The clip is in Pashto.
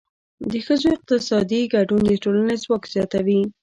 د ښځو اقتصادي ګډون د ټولنې ځواک زیاتوي.